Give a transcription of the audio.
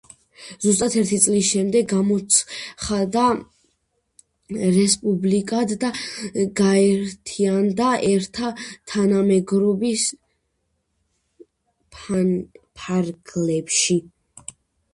ზუსტად ერთი წლის შემდეგ გამოცხადდა რესპუბლიკად და გაერთიანდა ერთა თანამეგობრობის ფარგლებში.